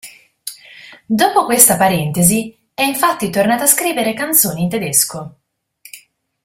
Dopo questa parentesi, è infatti tornata a scrivere canzoni in tedesco.